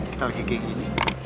kita lagi genggih nih